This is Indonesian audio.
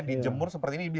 dijemur seperti ini bisa